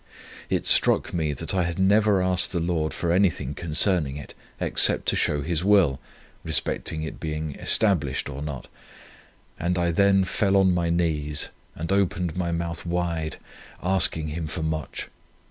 It struck me that I had never asked the Lord for anything concerning it, except to know His will, respecting its being established or not; and I then fell on my knees and opened my mouth wide, asking Him for much.